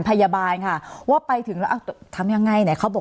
สนับสนุนโดยพี่โพเพี่ยวสะอาดใสไร้คราบ